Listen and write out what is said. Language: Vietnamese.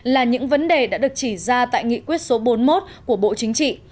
là những vấn đề đã được chỉ ra tại nghị quyết số bốn mươi một của bộ chính trị